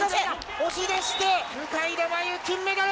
押し出して向田真優金メダル！